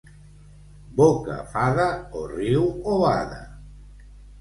Boca fada, o riu o bada.